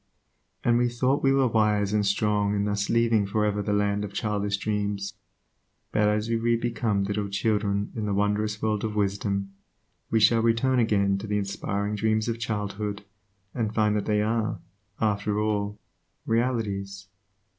And we thought we were wise and strong in thus leaving for ever the land of childish dreams, but as we re become little children in the wondrous world of wisdom, we shall return again to the inspiring dreams of childhood and find that they are, after all, realities.